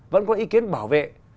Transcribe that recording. vẫn có ý kiến bảo vệ